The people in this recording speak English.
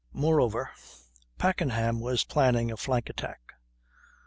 Moreover, Packenham was planning a flank attack.